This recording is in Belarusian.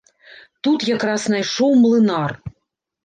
Тут якраз найшоў млынар.